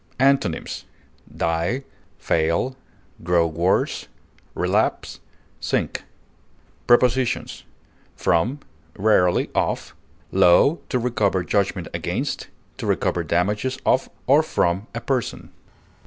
Antonyms: die, fail, grow worse, relapse, sink. Prepositions: From; rarely of; (Law) to recover judgment against, to recover damages of or from a person.